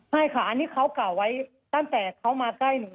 ไม่ค่ะอันนี้เขากล่าวไว้ตั้งแต่เขามาใกล้หนู